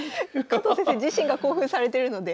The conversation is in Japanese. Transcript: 加藤先生自身が興奮されてるので。